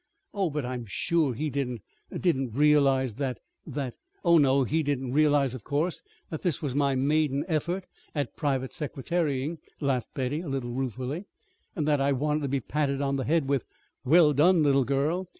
"Oh, but I'm sure he didn't didn't realize that that " "Oh, no, he didn't realize, of course, that this was my maiden effort at private secretarying," laughed Betty, a little ruefully, "and that I wanted to be patted on the head with a 'Well done, little girl!'